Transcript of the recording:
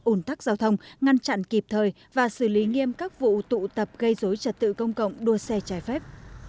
ủn tắc giao thông ngăn chặn kịp thời và xử lý nghiêm các vụ tụ tập gây dối trật tự công cộng đua xe trái phép